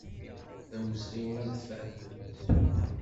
D awezɣi ad tfehmemt.